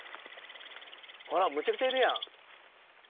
ほらむちゃくちゃいるやん。